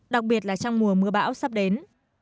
đặc biệt là trong mùa mưa bão sắp đến